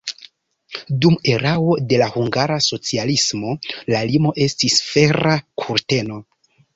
Dum erao de la hungara socialismo la limo estis Fera kurteno.